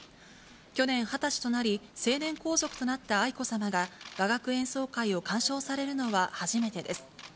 去年２０歳となり、成年皇族となった愛子さまが雅楽演奏会を鑑賞されるのは初めてです。